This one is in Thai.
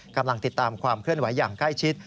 กำลังติดตามความเคลื่อนไหวอย่างใกล้ชิด